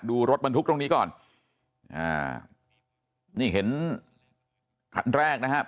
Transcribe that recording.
ดูรถบรรทุกตรงนี้ก่อนอ่านี่เห็นคันแรกนะครับ